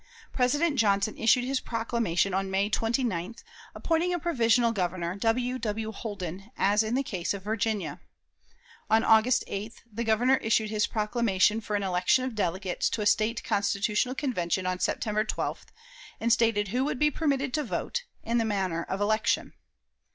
President Johnson issued his proclamation on May 29th, appointing a provisional Governor, W. W. Holden, as in the case of Virginia. On August 8th the Governor issued his proclamation for an election of delegates to a State Constitutional Convention on September 12th, and stated who would be permitted to vote, and the manner of election.